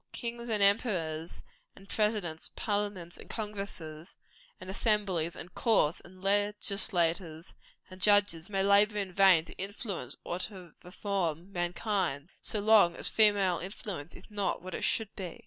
Kings, and emperors, and presidents, parliaments, and congresses, and assemblies, and courts, and legislators, and judges, may labor in vain to influence or to reform mankind, so long as female influence is not what it should be.